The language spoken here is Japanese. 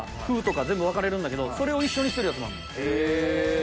全部分かれるんだけどそれを一緒にしてるやつもあんの。